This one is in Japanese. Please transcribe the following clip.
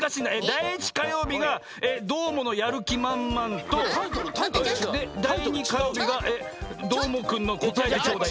第１火曜日が「どーものやるきまんまん」とで第２火曜日が「どーもくんのこたえてちょうだい」。